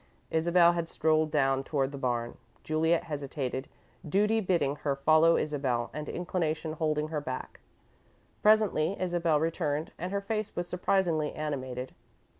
Isabel had strolled down toward the barn. Juliet hesitated, duty bidding her follow Isabel and inclination holding her back. Presently Isabel returned, and her face was surprisingly animated.